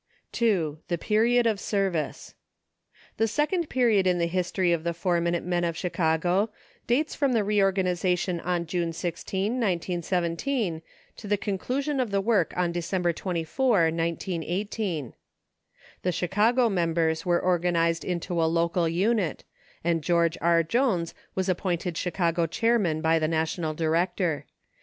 II. THE PERIOD OF SERVICE The second period of the history of the Four Minute Men of Chicago dates from the reorganization on June 13 16, 1917, to the conclusion of the work on December 24, 1918. The Chicago members were organized into a local unit, and George R. Jones was appointed Chicago Chairman by the National Director.